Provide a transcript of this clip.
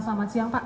selamat siang pak